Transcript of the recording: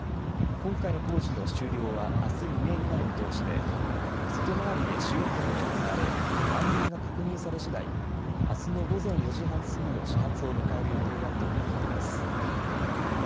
今回の工事の終了は、あす未明になる見通しで、外回りで試運転が行われ、安全が確認されしだい、あすの午前４時半過ぎの始発を迎える予定だということです。